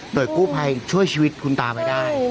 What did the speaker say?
โดยกู้ภัยช่วยชีวิตคุณตามาได้